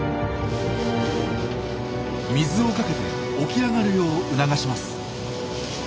水をかけて起き上がるよう促します。